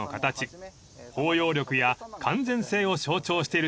［包容力や完全性を象徴しているといわれています］